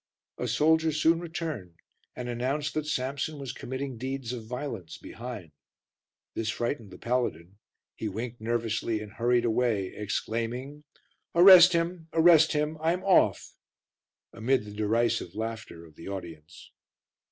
A soldier soon returned and announced that Samson was committing deeds of violence behind. This frightened the paladin; he winked nervously and hurried away, exclaiming "Arrest him, arrest him; I'm off," amid the derisive laughter of the audience.